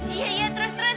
iya iya terus terus